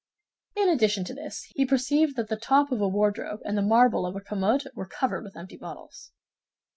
In addition to this he perceived that the top of a wardrobe and the marble of a commode were covered with empty bottles.